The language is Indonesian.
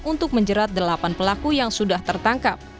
untuk menjerat delapan pelaku yang sudah tertangkap